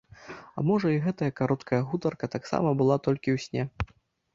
А можа, і гэтая кароткая гутарка таксама была толькі ў сне?